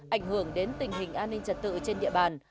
ảnh hưởng đến tình hình an ninh trật tự trên địa bàn